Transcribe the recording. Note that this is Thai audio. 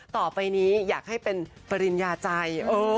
ต่อไปนี้อยากให้เป็นปริญญาใจ